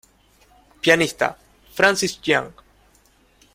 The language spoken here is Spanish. Pianista: Francis Yang